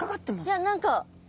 いや何か。